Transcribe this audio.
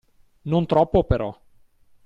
Non troppo, però.